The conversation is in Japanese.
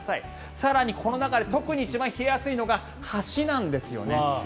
更に、この中で特に一番冷えやすいのが橋なんですよね。